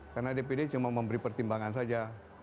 karena dpd cuma memberi pertimbangan saja